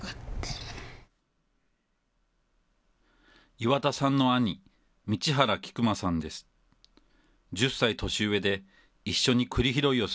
岩田さんの兄、道原菊間さんです。